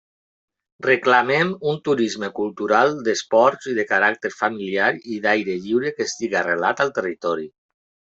Reclamem un turisme cultural, d'esports i de caràcter familiar i d'aire lliure que estiga arrelat al territori.